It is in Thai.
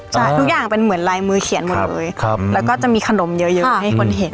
ใช่ทุกอย่างเป็นเหมือนลายมือเขียนหมดเลยแล้วก็จะมีขนมเยอะเยอะให้คนเห็น